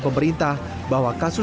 karena sudah terbiasa